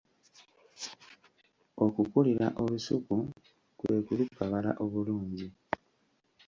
Okukukulira olusuku kwe kulukabala obulungi.